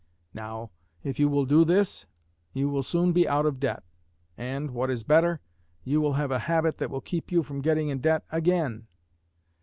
Now, if you will do this you will soon be out of debt, and, what is better, you will have a habit that will keep you from getting in debt again.